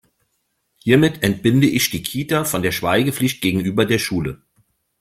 Hiermit entbinde ich die Kita von der Schweigepflicht gegenüber der Schule.